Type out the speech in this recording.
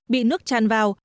bị nước tràn vào